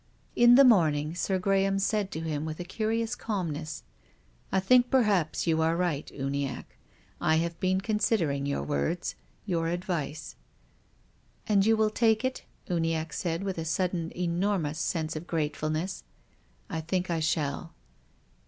In the morning Sir Graham said to him, with a curious calmness :" I think perhaps you arc right, Uniacke. I have been considering your words, your advice." " And you will take it ?" Uniacke said, with a sudden enormous sense of gratefulness. " I think I shall."